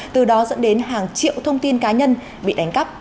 từ đó dẫn đến hàng triệu thông tin cá nhân bị đánh cắp